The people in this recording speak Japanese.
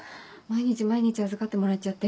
毎日毎日預かってもらっちゃって。